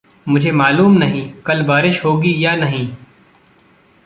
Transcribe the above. मुझे मालूम नहीं कल बारिश होगी या नहीं।